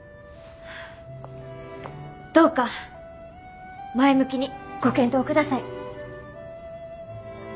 どうか前向きにご検討ください。